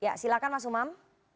ya silakan mas umam